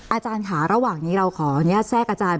อาจารย์ค่ะระหว่างนี้เราขออนุญาตแทรกอาจารย์